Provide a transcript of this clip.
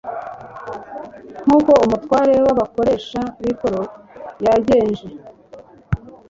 Nk'uko umutware w'abakoresha b'ikoro yagenje;